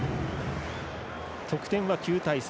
得点は９対３